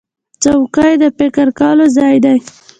چوکۍ د فکر کولو ځای دی.